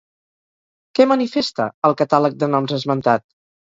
Què manifesta, el catàleg de noms esmentat?